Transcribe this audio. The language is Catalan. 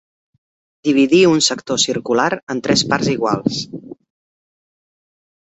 Dividir un sector circular en tres parts iguals.